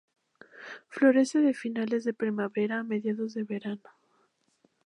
Florece de finales de primavera a mediados de verano.